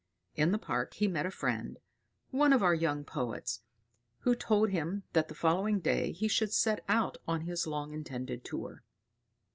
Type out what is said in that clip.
In the park he met a friend, one of our young poets, who told him that the following day he should set out on his long intended tour.